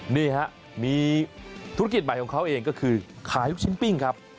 นี่ฮะมีธุรกิจใหม่ของเขาเองก็คือขายลูกชิ้นปิ้งครับ